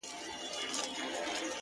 • گراني دا هيله كوم،